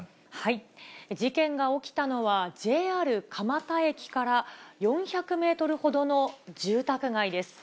事件が起きたのは、ＪＲ蒲田駅から４００メートルほどの住宅街です。